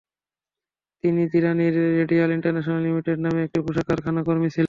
তিনি জিরানীর Radial International Limited নামে একটি পোশাক কারখানার কর্মী ছিলেন।